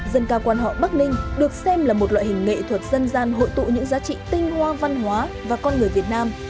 dân ca quan họ bắc ninh được xem là một loại hình nghệ thuật dân gian hội tụ những giá trị tinh hoa văn hóa và con người việt nam